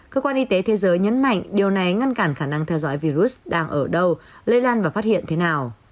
cơ quan y tế thế giới nhấn mạnh điều này ngăn cản khả năng theo dõi virus đang ở đâu lây lan và phát hiện thế nào